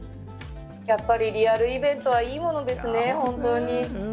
やっぱり、リアルイベントはいいものですね、本当に。